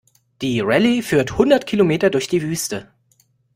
Die Rallye führt hundert Kilometer durch die Wüste.